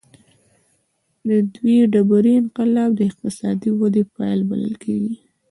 د نوې ډبرې انقلاب د اقتصادي ودې پیل بلل کېږي.